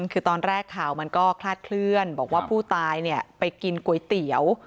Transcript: คือตอนแรกข่าวมันก็คลาดเคลื่อนบอกว่าผู้ตายไปกินก๋วยเตี๋ยว